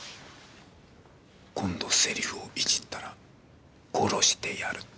「今度セリフをいじったら殺してやる」って。